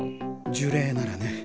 呪霊ならね。